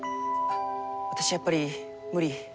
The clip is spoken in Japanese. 私やっぱり無理。